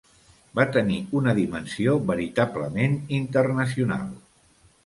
Va tenir una dimensió veritablement internacional.